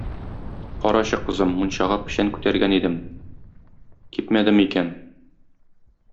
Карачы, кызым, мунчага печән күтәргән идем, кипмәдеме икән?